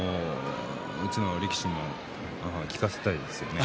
うちの力士にも聞かせたいですね。